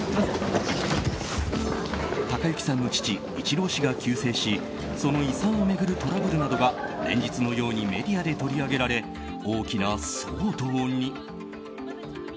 誉幸さんの父・一郎氏が急逝しその遺産を巡るトラブルなどが連日のようにメディアで取り上げられ大きな騒動に。